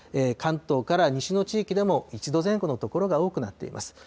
関東から西の地域でも１度前後の所が多くなっています。